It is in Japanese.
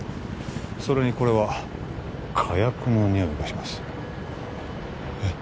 それにこれは火薬のにおいがしますえっ！？